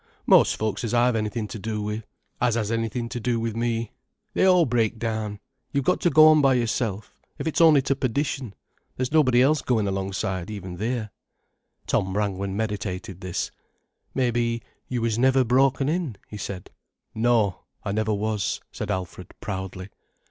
"Most folks as I've anything to do with—as has anything to do with me. They all break down. You've got to go on by yourself, if it's only to perdition. There's nobody going alongside even there." Tom Brangwen meditated this. "Maybe you was never broken in," he said. "No, I never was," said Alfred proudly.